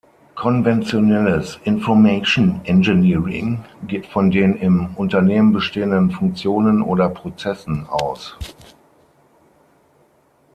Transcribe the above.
Konventionelles Information Engineering geht von den im Unternehmen bestehenden Funktionen oder Prozessen aus.